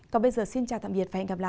còn bây giờ xin chào tạm biệt và hẹn gặp lại